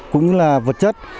cũng như là vật chất